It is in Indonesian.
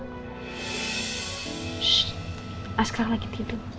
shhh asghar lagi tidur